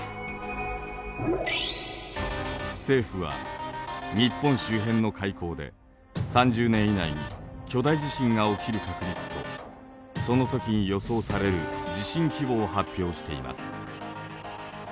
政府は日本周辺の海溝で３０年以内に巨大地震が起きる確率とその時に予想される地震規模を発表しています。